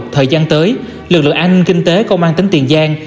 thời gian tới lực lượng an ninh kinh tế công an tỉnh tiền giang